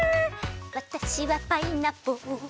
わたしはパイナポー。